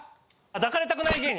抱かれたくない芸人。